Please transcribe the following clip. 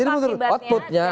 jadi menurut outputnya